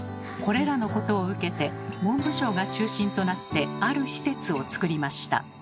これらのことを受けて文部省が中心となってある施設をつくりました。